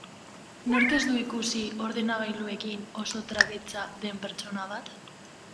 Nork ez du ikusi ordenagailuekin oso traketsa den pertsona bat?